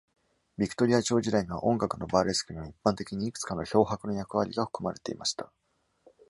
ビクトリア朝時代には、音楽のバーレスクには一般的にいくつかの漂白の役割が含まれていました。